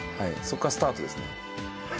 そこからスタートですね